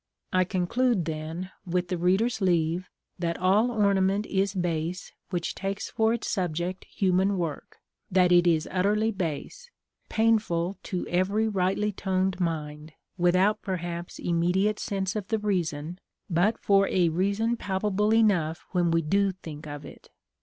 I conclude, then, with the reader's leave, that all ornament is base which takes for its subject human work, that it is utterly base, painful to every rightly toned mind, without perhaps immediate sense of the reason, but for a reason palpable enough when we do think of it.